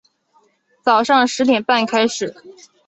早上十点半开始